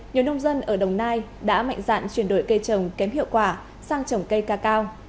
nhiều nông dân ở đồng nai đã mạnh dạn chuyển đổi cây trồng kém hiệu quả sang trồng cây cacao